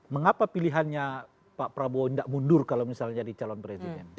mengapa pilihannya pak prabowo tidak mundur kalau misalnya jadi calon presiden